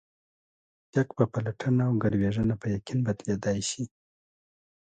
شک په پلټنه او ګروېږنه په یقین بدلېدای شي.